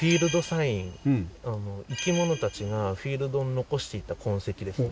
生き物たちがフィールドに残して行った痕跡ですね。